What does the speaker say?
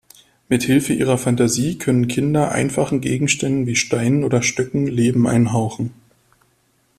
Mithilfe ihrer Fantasie können Kinder einfachen Gegenständen wie Steinen oder Stöcken Leben einhauchen.